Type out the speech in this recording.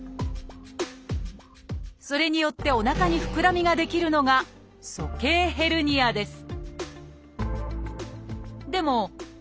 それによっておなかにふくらみが出来るのが「鼠径ヘルニア」です